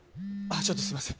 ちょっとすいません